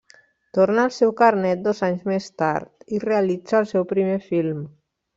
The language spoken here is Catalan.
Torna el seu carnet dos anys més tard i realitza el seu primer film.